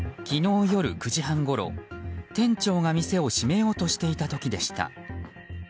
昨日夜９時半ごろ店長が店を閉めようとしていた時でした。